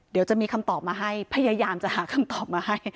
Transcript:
เดี๋ยวจะมีคำตอบมาให้พยายามจะหาคำตอบมาให้